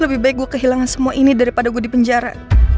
lebih baik gue kehilangan semua ini daripada gue dipenjara